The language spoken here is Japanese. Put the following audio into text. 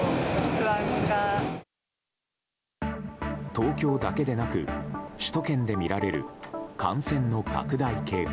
東京だけでなく首都圏で見られる感染の拡大傾向。